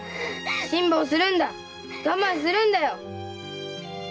辛抱するんだ我慢するんだよ〕